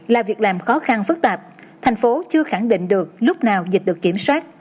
là việc làm khó khăn phức tạp thành phố chưa khẳng định được lúc nào dịch được kiểm soát